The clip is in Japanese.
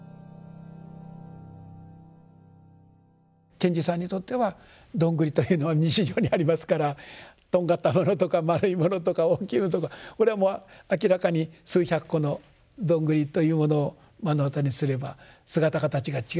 賢治さんにとってはどんぐりというのは日常にありますからとんがったものとか丸いものとか大きいのとかこれはもう明らかに数百個のどんぐりというものを目の当たりにすれば姿形が違う。